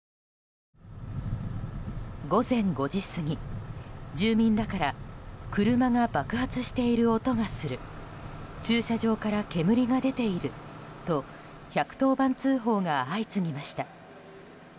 午前５時すぎ、住民らから車が爆発している音がする駐車場から煙が出ていると１１０番通報が相次ぎました。